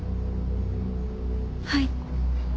はい。